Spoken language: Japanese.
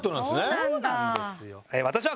そうなんですよ。